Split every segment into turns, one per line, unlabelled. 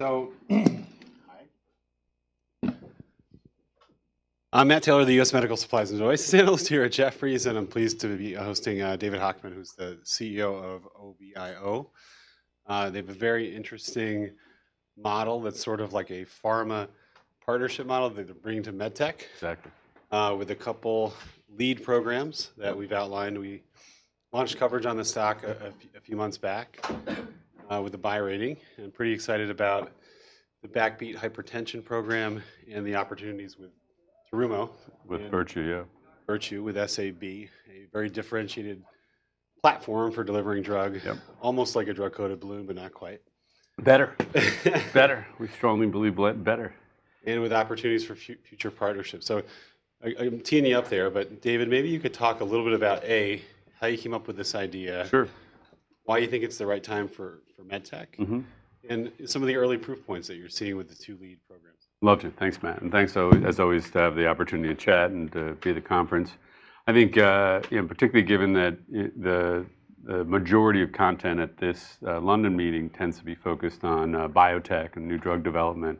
All right, so hi. I'm Matt Taylor, the U.S. Medical Supplies and Devices analyst here at Jefferies, and I'm pleased to be hosting David Hochman, who's the CEO of OBIO. They have a very interesting model that's sort of like a pharma partnership model they bring to MedTech.
Exactly.
With a couple of lead programs that we've outlined. We launched coverage on the stock a few months back with a buy rating, and I'm pretty excited about the BACKBEAT hypertension program and the opportunities with Terumo.
With Virtue, yeah.
Virtue with SAB, a very differentiated platform for delivering drugs.
Yep.
Almost like a drug-coated balloon, but not quite.
Better. Better. We strongly believe better.
And with opportunities for future partnerships. So I'm teeing you up there, but David, maybe you could talk a little bit about A, how you came up with this idea.
Sure.
Why you think it's the right time for MedTech, and some of the early proof points that you're seeing with the two lead programs?
Love to. Thanks, Matt, and thanks, as always, to have the opportunity to chat and to be at the conference. I think, particularly given that the majority of content at this London meeting tends to be focused on biotech and new drug development,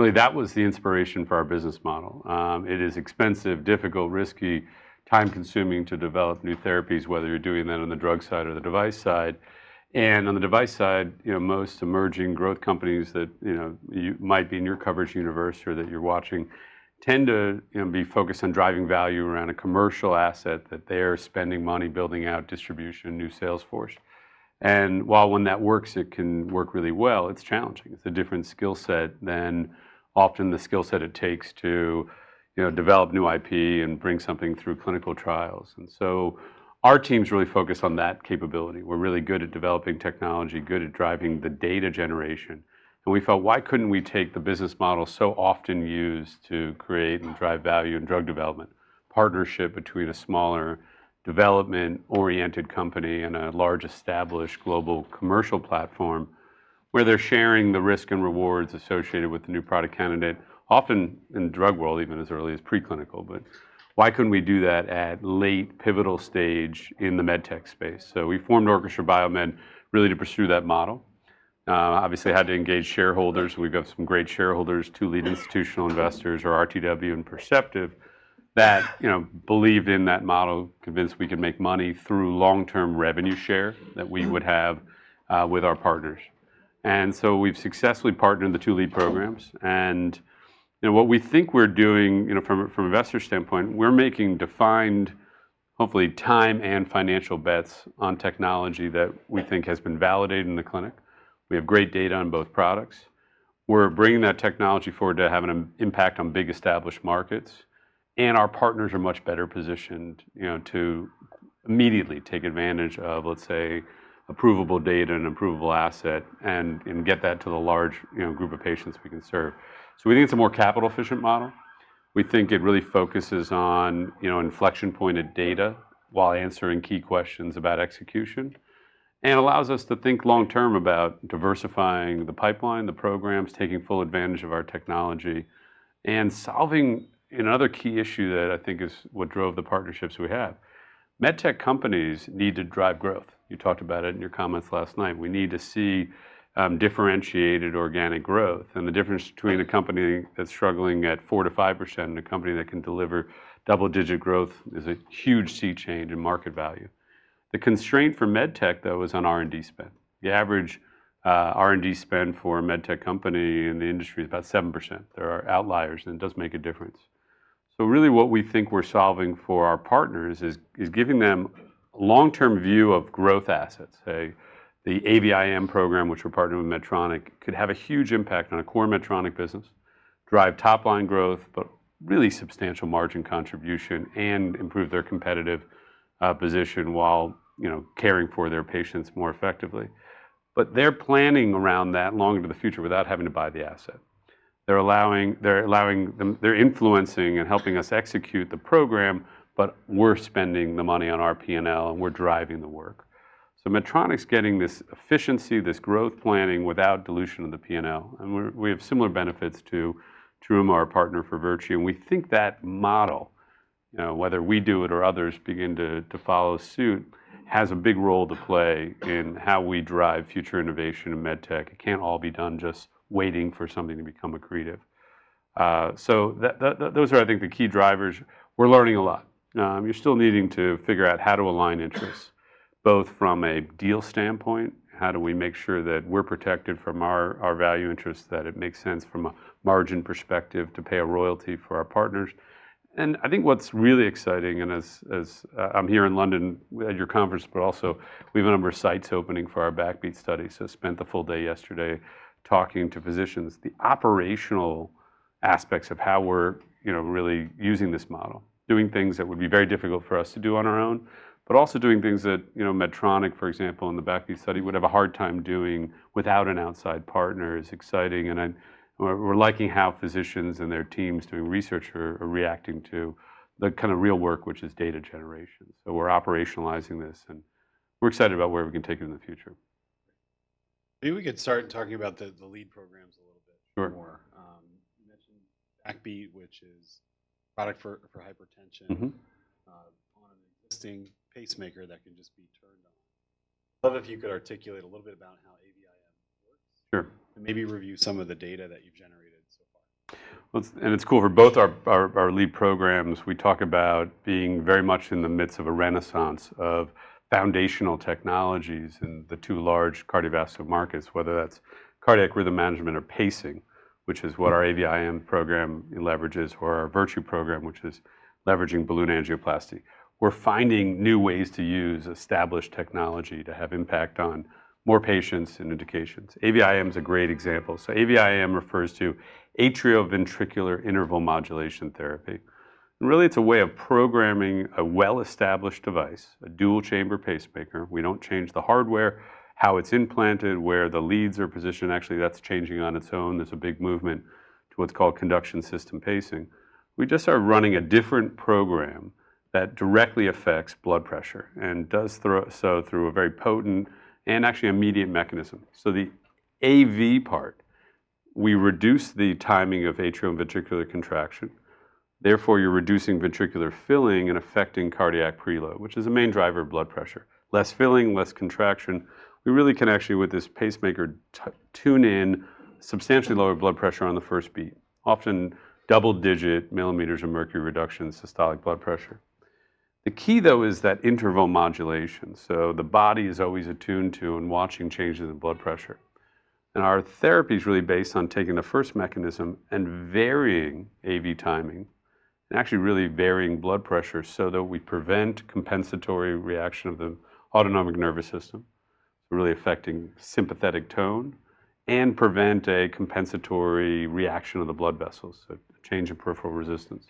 really that was the inspiration for our business model. It is expensive, difficult, risky, time-consuming to develop new therapies, whether you're doing that on the drug side or the device side. On the device side, most emerging growth companies that you might be in your coverage universe or that you're watching tend to be focused on driving value around a commercial asset that they're spending money building out, distribution, new sales force. While when that works, it can work really well, it's challenging. It's a different skill set than often the skill set it takes to develop new IP and bring something through clinical trials. And so our team's really focused on that capability. We're really good at developing technology, good at driving the data generation. And we felt, why couldn't we take the business model so often used to create and drive value in drug development, partnership between a smaller development-oriented company and a large established global commercial platform where they're sharing the risk and rewards associated with the new product candidate, often in the drug world, even as early as preclinical? But why couldn't we do that at late, pivotal stage in the MedTech space? So we formed Orchestra BioMed really to pursue that model. Obviously, had to engage shareholders. We've got some great shareholders, two lead institutional investors, our RTW and Perceptive that believed in that model, convinced we could make money through long-term revenue share that we would have with our partners. And so we've successfully partnered the two lead programs. What we think we're doing from an investor standpoint is making defined, hopefully, time and financial bets on technology that we think has been validated in the clinic. We have great data on both products. We're bringing that technology forward to have an impact on big established markets. Our partners are much better positioned to immediately take advantage of, let's say, approvable data and an approvable asset and get that to the large group of patients we can serve. We think it's a more capital-efficient model. We think it really focuses on inflection pointed data while answering key questions about execution and allows us to think long-term about diversifying the pipeline, the programs, taking full advantage of our technology, and solving another key issue that I think is what drove the partnerships we have. MedTech companies need to drive growth. You talked about it in your comments last night. We need to see differentiated organic growth. The difference between a company that's struggling at 4%-5% and a company that can deliver double-digit growth is a huge sea change in market value. The constraint for MedTech, though, is on R&D spend. The average R&D spend for a MedTech company in the industry is about 7%. There are outliers, and it does make a difference. So really what we think we're solving for our partners is giving them a long-term view of growth assets. The AVIM program, which we're partnering with Medtronic, could have a huge impact on a core Medtronic business, drive top-line growth, but really substantial margin contribution, and improve their competitive position while caring for their patients more effectively. They're planning around that long into the future without having to buy the asset. They're influencing and helping us execute the program, but we're spending the money on our P&L, and we're driving the work. So Medtronic's getting this efficiency, this growth planning without dilution of the P&L. And we have similar benefits to Terumo, our partner for Virtue. And we think that model, whether we do it or others begin to follow suit, has a big role to play in how we drive future innovation in MedTech. It can't all be done just waiting for something to become accretive. So those are, I think, the key drivers. We're learning a lot. You're still needing to figure out how to align interests, both from a deal standpoint, how do we make sure that we're protected from our value interests, that it makes sense from a margin perspective to pay a royalty for our partners. I think what's really exciting, and as I'm here in London at your conference, but also we have a number of sites opening for our BACKBEAT study. I spent the full day yesterday talking to physicians, the operational aspects of how we're really using this model, doing things that would be very difficult for us to do on our own, but also doing things that Medtronic, for example, in the BACKBEAT study, would have a hard time doing without an outside partner. It's exciting. We're liking how physicians and their teams doing research are reacting to the kind of real work, which is data generation. We're operationalizing this, and we're excited about where we can take it in the future.
Maybe we could start by talking about the lead programs a little bit more.
Sure.
You mentioned BACKBEAT, which is a product for hypertension.
Mm-hmm.
On an existing pacemaker that can just be turned on. I'd love if you could articulate a little bit about how AVIM works.
Sure.
Maybe review some of the data that you've generated so far.
And it's cool. For both our lead programs, we talk about being very much in the midst of a renaissance of foundational technologies in the two large cardiovascular markets, whether that's cardiac rhythm management or pacing, which is what our AVIM program leverages, or our Virtue program, which is leveraging balloon angioplasty. We're finding new ways to use established technology to have impact on more patients and indications. AVIM is a great example. So AVIM refers to atrioventricular interval modulation therapy. And really, it's a way of programming a well-established device, a dual-chamber pacemaker. We don't change the hardware, how it's implanted, where the leads are positioned. Actually, that's changing on its own. There's a big movement to what's called conduction system pacing. We just are running a different program that directly affects blood pressure and does so through a very potent and actually immediate mechanism. So the AV part, we reduce the timing of atrioventricular contraction. Therefore, you're reducing ventricular filling and affecting cardiac preload, which is a main driver of blood pressure. Less filling, less contraction. We really can actually, with this pacemaker, tune in, substantially lower blood pressure on the first beat, often double-digit millimeters of mercury reduction in systolic blood pressure. The key, though, is that interval modulation. So the body is always attuned to and watching changes in blood pressure. And our therapy is really based on taking the first mechanism and varying AV timing, and actually really varying blood pressure so that we prevent compensatory reaction of the autonomic nervous system, so really affecting sympathetic tone, and prevent a compensatory reaction of the blood vessels, so change in peripheral resistance.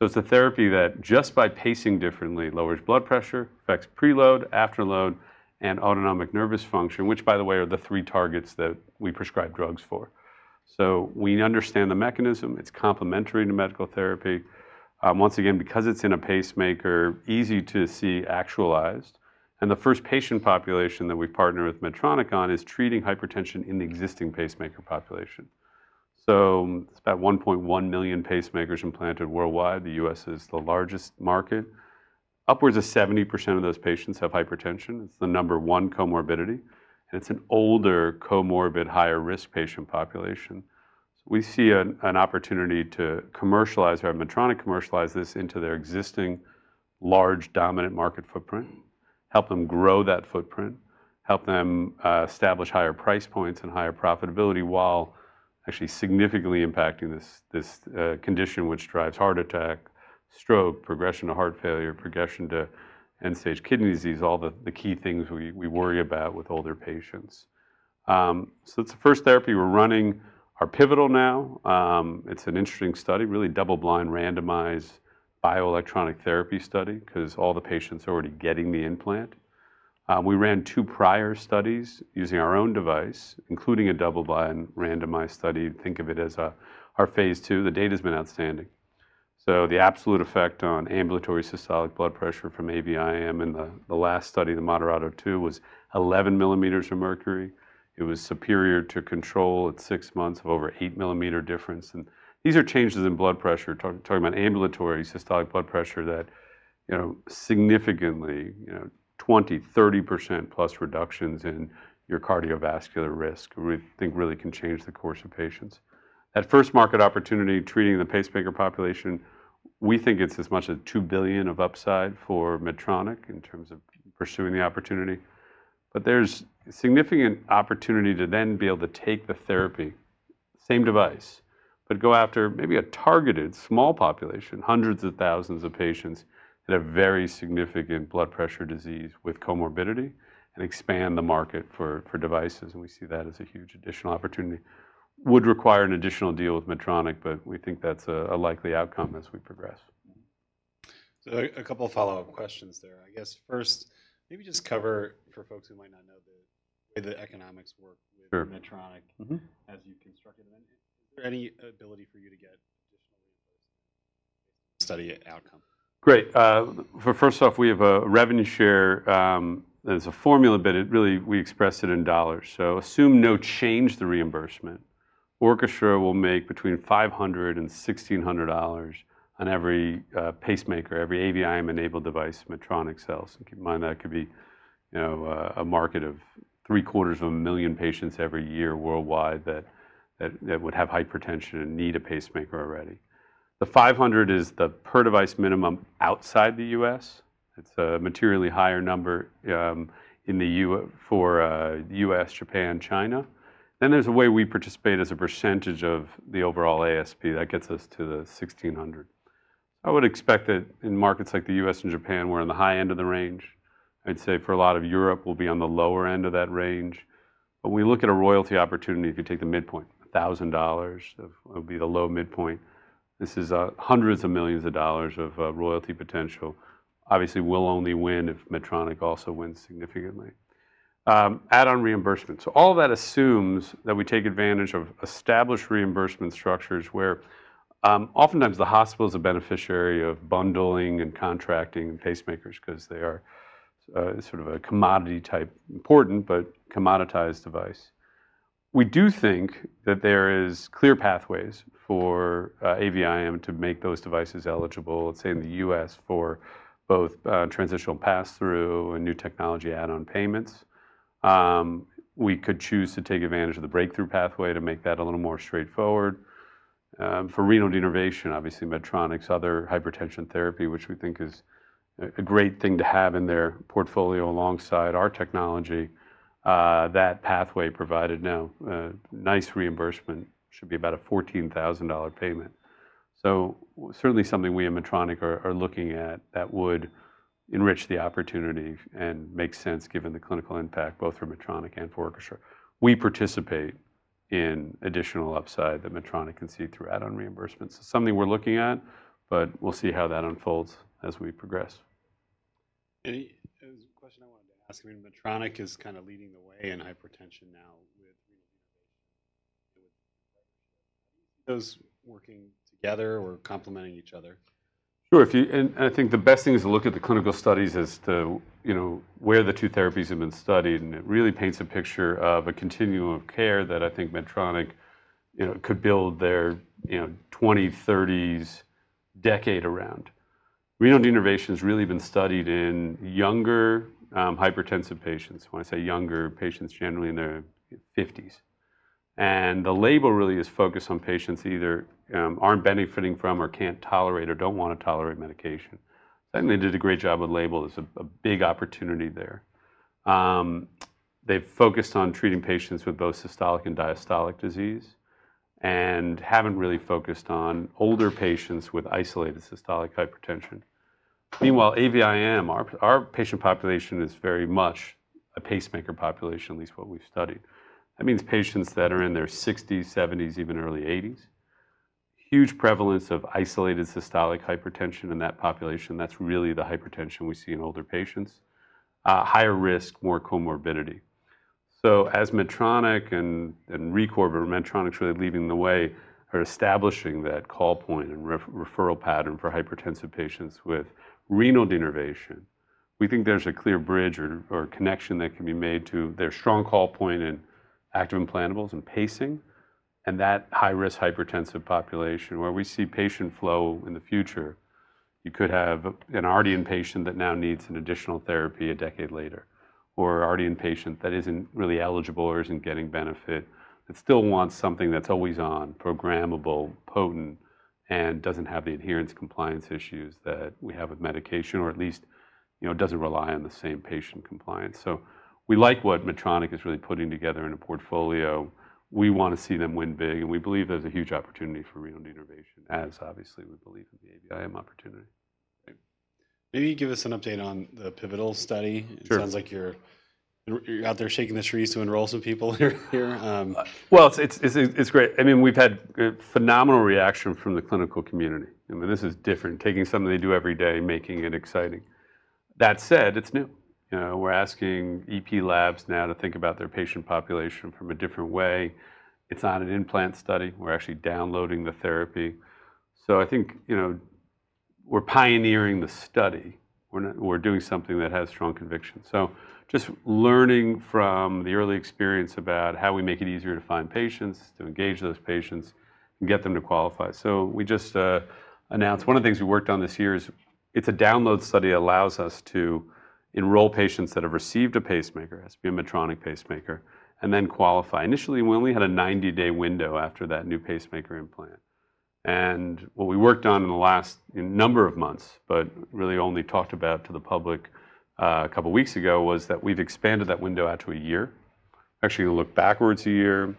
So it's a therapy that, just by pacing differently, lowers blood pressure, affects preload, afterload, and autonomic nervous function, which, by the way, are the three targets that we prescribe drugs for. So we understand the mechanism. It's complementary to medical therapy. Once again, because it's in a pacemaker, easy to see actualized. And the first patient population that we've partnered with Medtronic on is treating hypertension in the existing pacemaker population. So it's about 1.1 million pacemakers implanted worldwide. The U.S. is the largest market. Upwards of 70% of those patients have hypertension. It's the number one comorbidity. And it's an older comorbid, higher-risk patient population. So we see an opportunity to commercialize with Medtronic, commercialize this into their existing large dominant market footprint, help them grow that footprint, help them establish higher price points and higher profitability while actually significantly impacting this condition, which drives heart attack, stroke, progression to heart failure, progression to end-stage kidney disease, all the key things we worry about with older patients. So it's the first therapy we're running, our pivotal now. It's an interesting study, really double-blind randomized bioelectronic therapy study because all the patients are already getting the implant. We ran two prior studies using our own device, including a double-blind randomized study. Think of it as our phase II. The data has been outstanding. So the absolute effect on ambulatory systolic blood pressure from AVIM in the last study, the MODERATO II, was 11 millimeters of mercury. It was superior to control at six months of over eight millimeter difference, and these are changes in blood pressure, talking about ambulatory systolic blood pressure, that significantly 20%, 30% plus reductions in your cardiovascular risk, we think really can change the course of patients. That first market opportunity in treating the pacemaker population, we think it's as much as $2 billion of upside for Medtronic in terms of pursuing the opportunity, but there's significant opportunity to then be able to take the therapy, same device, but go after maybe a targeted small population, hundreds of thousands of patients that have very significant blood pressure disease with comorbidity and expand the market for devices, and we see that as a huge additional opportunity. Would require an additional deal with Medtronic, but we think that's a likely outcome as we progress.
A couple of follow-up questions there. I guess first, maybe just cover for folks who might not know the way the economics work with Medtronic as you've constructed them. Is there any ability for you to get additional reimbursement based on the study outcome?
Great. First off, we have a revenue share. There's a formula, but really we express it in dollars. So assume no change to reimbursement. Orchestra will make between $500 and $1,600 on every pacemaker, every AVIM-enabled device Medtronic sells. And keep in mind that could be a market of 750,000 patients every year worldwide that would have hypertension and need a pacemaker already. The 500 is the per-device minimum outside the U.S. It's a materially higher number in the U.S., Japan, China. Then there's a way we participate as a percentage of the overall ASP. That gets us to the 1,600. So I would expect that in markets like the U.S. and Japan, we're on the high end of the range. I'd say for a lot of Europe, we'll be on the lower end of that range. When we look at a royalty opportunity, if you take the midpoint, $1,000 would be the low midpoint. This is hundreds of millions of dollars of royalty potential. Obviously, we'll only win if Medtronic also wins significantly. Add on reimbursement. All of that assumes that we take advantage of established reimbursement structures where oftentimes the hospitals are beneficiary of bundling and contracting pacemakers because they are sort of a commodity-type important but commoditized device. We do think that there are clear pathways for AVIM to make those devices eligible, let's say in the U.S., for both transitional pass-through and new technology add-on payments. We could choose to take advantage of the breakthrough pathway to make that a little more straightforward. For renal denervation, obviously Medtronic's other hypertension therapy, which we think is a great thing to have in their portfolio alongside our technology, that pathway provided now nice reimbursement, should be about a $14,000 payment. So certainly something we at Medtronic are looking at that would enrich the opportunity and make sense given the clinical impact both for Medtronic and for Orchestra. We participate in additional upside that Medtronic can see through add-on reimbursement. So something we're looking at, but we'll see how that unfolds as we progress.
There's a question I wanted to ask. I mean, Medtronic is kind of leading the way in hypertension now with renal denervation. With the partnership, how do you see those working together or complementing each other?
Sure. And I think the best thing is to look at the clinical studies as to where the two therapies have been studied. And it really paints a picture of a continuum of care that I think Medtronic could build their 2030s decade around. Renal denervation has really been studied in younger hypertensive patients. When I say younger, patients generally in their 50s. And the label really is focused on patients either aren't benefiting from or can't tolerate or don't want to tolerate medication. Certainly, they did a great job with label. There's a big opportunity there. They've focused on treating patients with both systolic and diastolic disease and haven't really focused on older patients with isolated systolic hypertension. Meanwhile, AVIM, our patient population is very much a pacemaker population, at least what we've studied. That means patients that are in their 60s, 70s, even early 80s. Huge prevalence of isolated systolic hypertension in that population. That's really the hypertension we see in older patients. Higher risk, more comorbidity. So as Medtronic and ReCor, or Medtronic's really leading the way, are establishing that call point and referral pattern for hypertensive patients with renal denervation, we think there's a clear bridge or connection that can be made to their strong call point in active implantables and pacing. And that high-risk hypertensive population where we see patient flow in the future, you could have an already in patient that now needs an additional therapy a decade later, or an already in patient that isn't really eligible or isn't getting benefit, that still wants something that's always on, programmable, potent, and doesn't have the adherence compliance issues that we have with medication, or at least doesn't rely on the same patient compliance. So we like what Medtronic is really putting together in a portfolio. We want to see them win big. And we believe there's a huge opportunity for renal denervation, as obviously we believe in the AVIM opportunity.
Maybe you give us an update on the pivotal study.
Sure.
It sounds like you're out there shaking the trees to enroll some people here.
It's great. I mean, we've had phenomenal reaction from the clinical community. I mean, this is different, taking something they do every day and making it exciting. That said, it's new. We're asking EP Labs now to think about their patient population from a different way. It's not an implant study. We're actually downloading the therapy. I think we're pioneering the study. We're doing something that has strong conviction. Just learning from the early experience about how we make it easier to find patients, to engage those patients, and get them to qualify. We just announced one of the things we worked on this year is it's a download study that allows us to enroll patients that have received a pacemaker, Medtronic pacemaker, and then qualify. Initially, we only had a 90-day window after that new pacemaker implant. And what we worked on in the last number of months, but really only talked about to the public a couple of weeks ago, was that we've expanded that window out to a year. Actually, look backwards a year.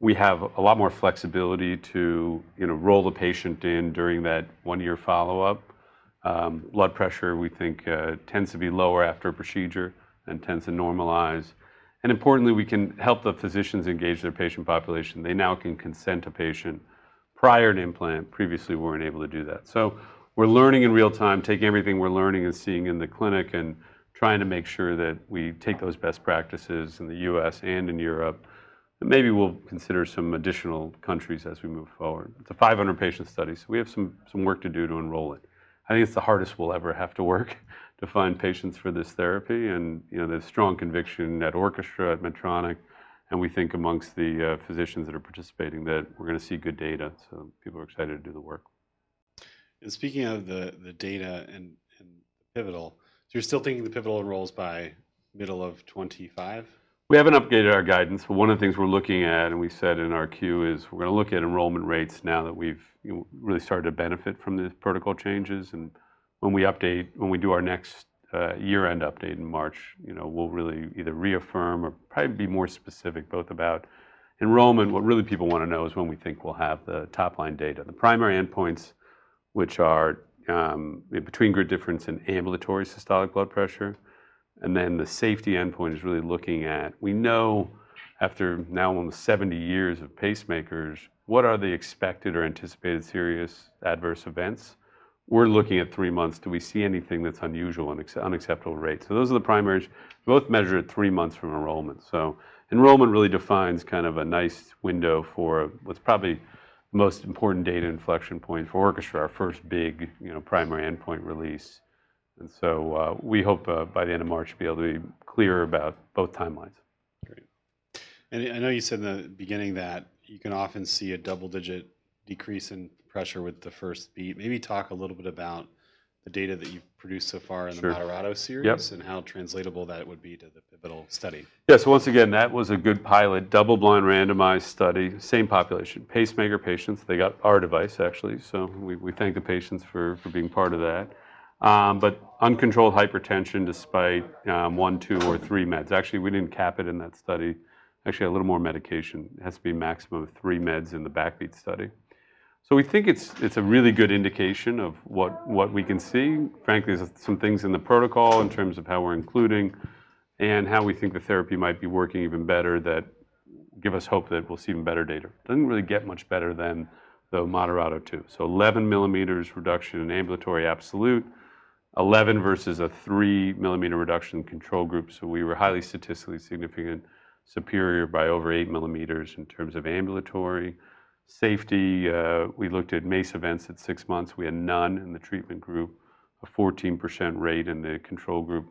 We have a lot more flexibility to roll the patient in during that one-year follow-up. Blood pressure, we think, tends to be lower after a procedure and tends to normalize. And importantly, we can help the physicians engage their patient population. They now can consent a patient prior to implant. Previously, we weren't able to do that. So we're learning in real time, taking everything we're learning and seeing in the clinic and trying to make sure that we take those best practices in the U.S. and in Europe. And maybe we'll consider some additional countries as we move forward. It's a 500-patient study. So we have some work to do to enroll it. I think it's the hardest we'll ever have to work to find patients for this therapy. And there's strong conviction at Orchestra, at Medtronic, and we think amongst the physicians that are participating that we're going to see good data. So people are excited to do the work.
Speaking of the data and the pivotal, you're still thinking the pivotal rolls by middle of 2025?
We haven't updated our guidance, but one of the things we're looking at, and we said in our queue, is we're going to look at enrollment rates now that we've really started to benefit from these protocol changes, and when we update, when we do our next year-end update in March, we'll really either reaffirm or probably be more specific both about enrollment. What really people want to know is when we think we'll have the top-line data. The primary endpoints, which are between group difference and ambulatory systolic blood pressure, and then the safety endpoint is really looking at, we know after now almost 70 years of pacemakers, what are the expected or anticipated serious adverse events? We're looking at three months. Do we see anything that's unusual at unacceptable rates, so those are the primaries. We both measure at three months from enrollment. So enrollment really defines kind of a nice window for what's probably the most important data inflection point for Orchestra, our first big primary endpoint release, and so we hope by the end of March to be able to be clear about both timelines.
Great. And I know you said in the beginning that you can often see a double-digit decrease in pressure with the first beat. Maybe talk a little bit about the data that you've produced so far in the Moderato series and how translatable that would be to the pivotal study?
Yes. Once again, that was a good pilot, double-blind randomized study, same population, pacemaker patients. They got our device, actually. So we thank the patients for being part of that. But uncontrolled hypertension despite one, two, or three meds. Actually, we didn't cap it in that study. Actually, a little more medication has to be a maximum of three meds in the BACKBEAT study. So we think it's a really good indication of what we can see. Frankly, there's some things in the protocol in terms of how we're including and how we think the therapy might be working even better that give us hope that we'll see even better data. Doesn't really get much better than the Moderato II. So 11 millimeters reduction in ambulatory systolic, 11 versus a three-millimeter reduction in control group. So we were highly statistically significant, superior by over eight millimeters in terms of ambulatory. Safety, we looked at MACE events at six months. We had none in the treatment group, a 14% rate in the control group.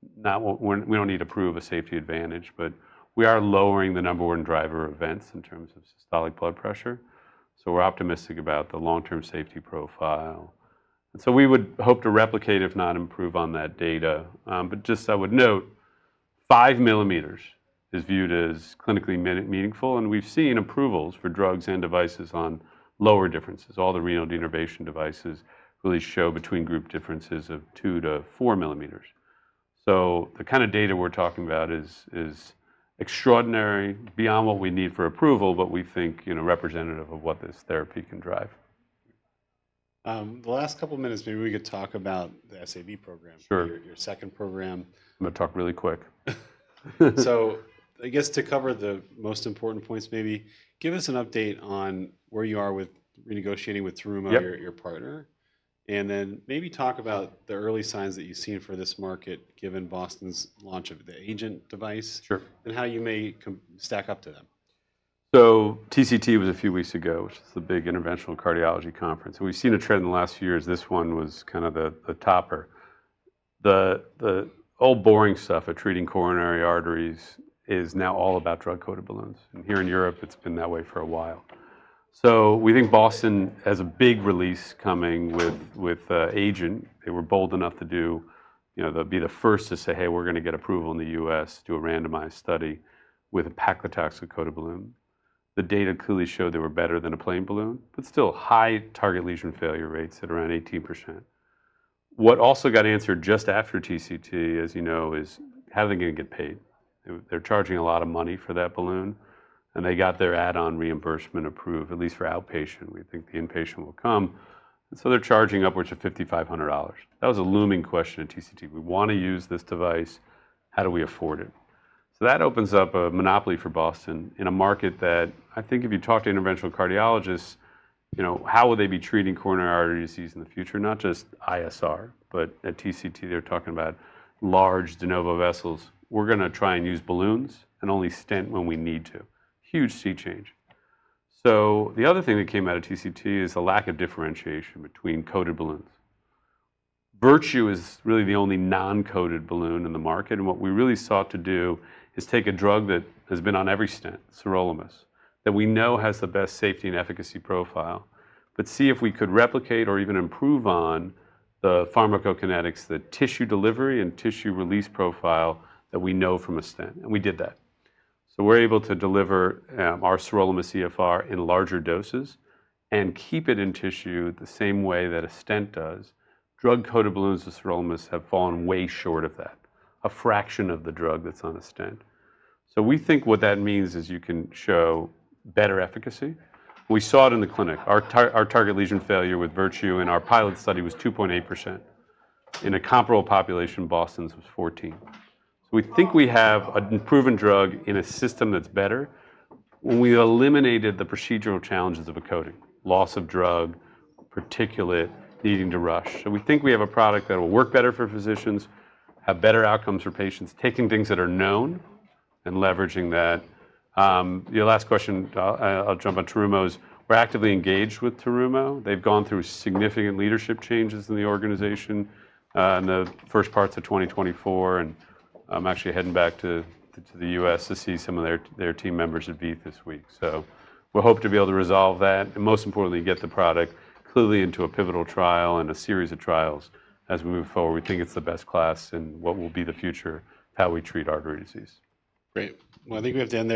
We don't need to prove a safety advantage, but we are lowering the number one driver of events in terms of systolic blood pressure, so we're optimistic about the long-term safety profile, and so we would hope to replicate, if not improve on that data, but just I would note, five millimeters is viewed as clinically meaningful, and we've seen approvals for drugs and devices on lower differences. All the renal denervation devices really show between group differences of two to four millimeters, so the kind of data we're talking about is extraordinary, beyond what we need for approval, but we think representative of what this therapy can drive.
The last couple of minutes, maybe we could talk about the SAB program, your second program.
I'm going to talk really quick.
So I guess to cover the most important points, maybe give us an update on where you are with renegotiating with Terumo, your partner. And then maybe talk about the early signs that you've seen for this market given Boston's launch of the AGENT device and how you may stack up to them.
So TCT was a few weeks ago, which is the big interventional cardiology conference. And we've seen a trend in the last few years. This one was kind of the topper. The old boring stuff of treating coronary arteries is now all about drug-coated balloons. And here in Europe, it's been that way for a while. So we think Boston has a big release coming with Agent. They were bold enough to be the first to say, "Hey, we're going to get approval in the U.S. to do a randomized study with a paclitaxel-coated balloon." The data clearly showed they were better than a plain balloon, but still high target lesion failure rates at around 18%. What also got answered just after TCT, as you know, is how are they going to get paid? They're charging a lot of money for that balloon. They got their add-on reimbursement approved, at least for outpatient. We think the inpatient will come. They're charging upwards of $5,500. That was a looming question at TCT. We want to use this device. How do we afford it? That opens up a monopoly for Boston in a market that I think if you talk to interventional cardiologists, how would they be treating coronary artery disease in the future? Not just ISR, but at TCT, they're talking about large de novo vessels. We're going to try and use balloons and only stent when we need to. Huge sea change. The other thing that came out of TCT is a lack of differentiation between coated balloons. Virtue is really the only non-coated balloon in the market. And what we really sought to do is take a drug that has been on every stent, sirolimus, that we know has the best safety and efficacy profile, but see if we could replicate or even improve on the pharmacokinetics, the tissue delivery and tissue release profile that we know from a stent. And we did that. So we're able to deliver our SirolimusEFR in larger doses and keep it in tissue the same way that a stent does. Drug-coated balloons with sirolimus have fallen way short of that, a fraction of the drug that's on a stent. So we think what that means is you can show better efficacy. We saw it in the clinic. Our target lesion failure with Virtue in our pilot study was 2.8%. In a comparable population, Boston's was 14%. So we think we have an improving drug in a system that's better when we eliminated the procedural challenges of a coating, loss of drug, particulate, needing to rush. So we think we have a product that will work better for physicians, have better outcomes for patients, taking things that are known and leveraging that. Your last question, I'll jump on Terumo, is we're actively engaged with Terumo. They've gone through significant leadership changes in the organization in the first parts of 2024. and I'm actually heading back to the U.S. to see some of their team members at VEITH Symposium this week. So we hope to be able to resolve that and most importantly, get the product clearly into a pivotal trial and a series of trials as we move forward. We think it's the best class in what will be the future of how we treat artery disease.
Great. Well, I think we have to end.